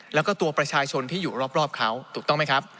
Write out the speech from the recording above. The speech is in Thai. แล้วก็ตัวประชาชนที่อยู่รอบเขาถูกต้องไหมครับ